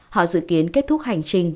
họ dự kiến kết thúc hành trình